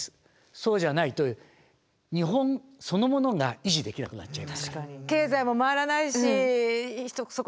そうじゃないと日本そのものが維持できなくなっちゃいますから。